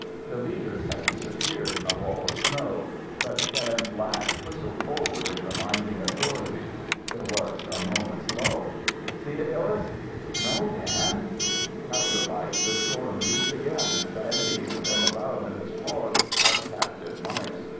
The leaders had disappeared in a wall of snow, but Dan's lash whistled forward in reminding authority. There was a moment's lull. "See it, Hillas?" "No, Dan." Tiger like the storm leaped again, bandying them about in its paws like captive mice.